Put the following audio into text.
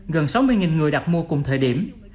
gần sáu mươi người đặt mua cùng thời điểm